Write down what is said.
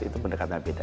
itu pendekatan beda